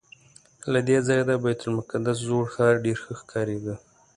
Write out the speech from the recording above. له دې ځایه د بیت المقدس زوړ ښار ډېر ښه ښکارېده.